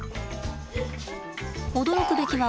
驚くべきは